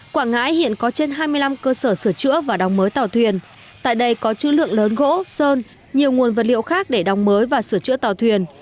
quảng ngãi hiện có trên hai mươi năm cơ sở sửa chữa và đóng mới tàu thuyền tại đây có chữ lượng lớn gỗ sơn nhiều nguồn vật liệu khác để đóng mới và sửa chữa tàu thuyền